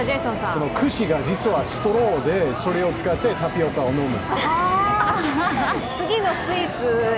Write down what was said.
串が実はストローでそれを使ってタピオカを飲む。